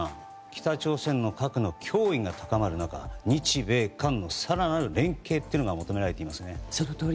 北朝鮮の核の脅威が高まる中日米韓の更なる連携が求められていますね。